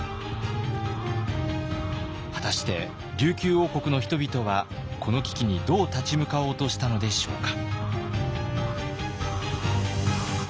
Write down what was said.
果たして琉球王国の人々はこの危機にどう立ち向かおうとしたのでしょうか。